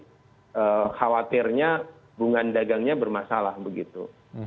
jadi khawatirnya bunga dagangnya bermasalah begitu